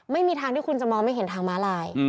ไม่มีทางที่คุณจะมองไม่เห็นทางม้าลาย